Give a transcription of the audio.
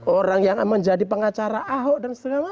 orang yang menjadi pengacara ahok dan seterusnya